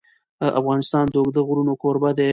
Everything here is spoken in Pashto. افغانستان د اوږده غرونه کوربه دی.